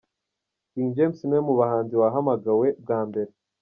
King James niwe muhanzi wahamagawe bwa mbere.